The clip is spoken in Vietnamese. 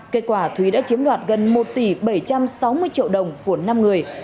kết quả thúy đã chiếm đoạt gần một tỷ bảy trăm sáu mươi triệu đồng của năm người